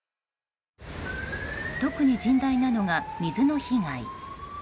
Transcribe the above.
特に甚大なのが水の被害。